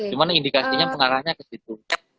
cuman indikasinya pengarahnya ke situ